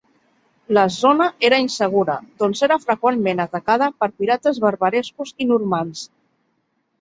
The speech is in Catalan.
La zona era insegura doncs era freqüentment atacada per pirates barbarescos i normands.